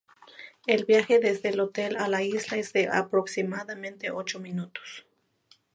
El viaje desde el hotel a la isla es de aproximadamente ocho minutos.